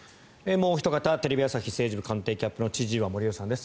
もうおひと方テレビ朝日政治部官邸キャップの千々岩森生さんです。